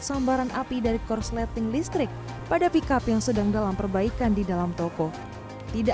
sambaran api dari korsleting listrik pada pickup yang sedang dalam perbaikan di dalam toko tidak